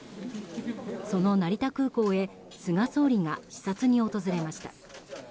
その成田空港へ菅総理が視察に訪れました。